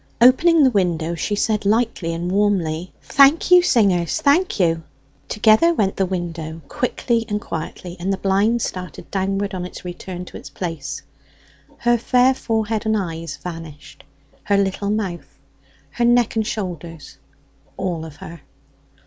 Opening the window, she said lightly and warmly "Thank you, singers, thank you!" Together went the window quickly and quietly, and the blind started downward on its return to its place. Her fair forehead and eyes vanished; her little mouth; her neck and shoulders; all of her.